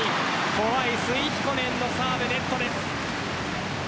怖いスイヒコネンのサーブネットです。